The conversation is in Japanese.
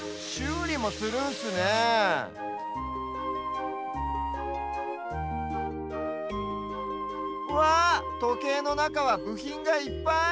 うりもするんすねえわっとけいのなかはぶひんがいっぱい！